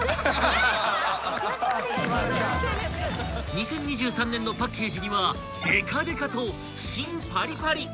［２０２３年のパッケージにはでかでかと「新パリパリッ！」の文字が］